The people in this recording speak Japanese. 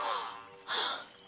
はあ。